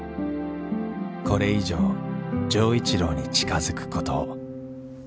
これ以上錠一郎に近づくことを。